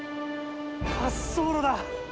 滑走路だ。